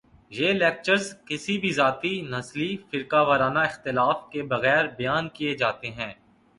یہ لیکچرز کسی بھی ذاتی ، نسلی ، فرقہ ورانہ اختلاف کے بغیر بیان کیے جاتے ہیں